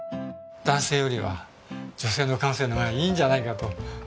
男性よりは女性の感性の方がいいんじゃないかと。